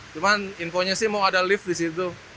cuman infonya sih mau ada lift di situ